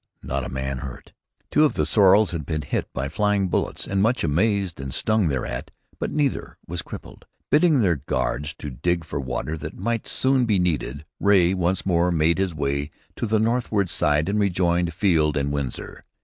Not a man hurt. Two of the sorrels had been hit by flying bullets and much amazed and stung thereat, but neither was crippled. Bidding their guards to dig for water that might soon be needed, Ray once more made his way to the northward side and rejoined Field and Winsor.